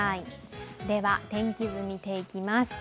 では天気図、見ていきます。